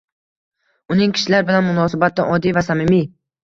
Uning kishilar bilan munosabatda oddiy va samimiy.